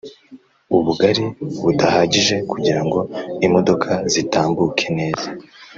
ubugari budahagije kugira ngo imodoka zitambuke neza